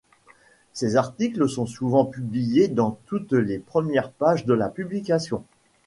Ses articles sont souvent publiés dans les toutes premières pages de la publication.